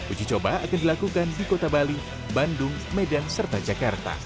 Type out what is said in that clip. uji coba akan dilakukan di kota bali bandung medan serta jakarta